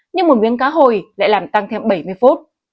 nhưng một miếng cá hồi lại làm tăng thêm bảy mươi phút